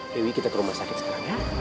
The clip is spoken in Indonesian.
dewi kita ke rumah sakit sekarang ya